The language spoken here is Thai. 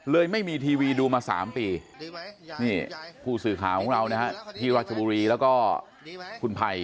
ไม่มีทีวีดูมา๓ปีนี่ผู้สื่อข่าวของเรานะฮะที่ราชบุรีแล้วก็คุณภัย